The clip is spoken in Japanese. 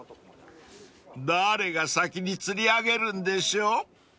［誰が先に釣り上げるんでしょう］